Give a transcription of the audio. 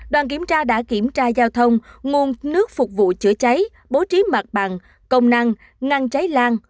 đoàn kiểm tra đã kiểm tra giao thông nguồn nước phục vụ chữa cháy bố trí mặt bằng công năng ngăn cháy lan